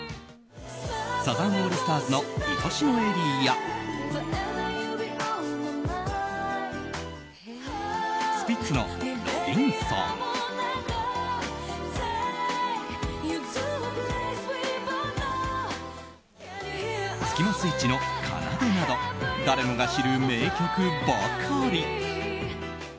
サザンオールスターズの「いとしのエリー」やスピッツの「ロビンソン」スキマスイッチの「奏」など誰もが知る名曲ばかり。